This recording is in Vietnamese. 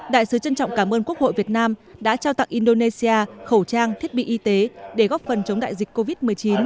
đại sứ trân trọng cảm ơn quốc hội việt nam đã trao tặng indonesia khẩu trang thiết bị y tế để góp phần chống đại dịch covid một mươi chín